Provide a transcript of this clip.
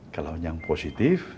kalau yang positif